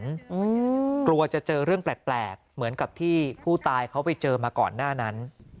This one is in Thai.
กลัวจะเจอเรื่องแปลกแปลกเหมือนกับที่ผู้ตายเขาไปเจอมาก่อนหน้านั้น